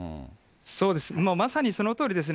そうです、もうまさにそのとおりですね。